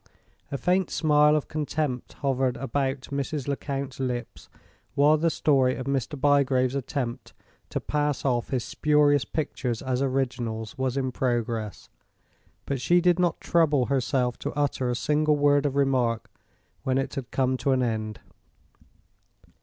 A faint smile of contempt hovered about Mrs. Lecount's lips while the story of Mr. Bygrave's attempt to pass off his spurious pictures as originals was in progress, but she did not trouble herself to utter a single word of remark when it had come to an end.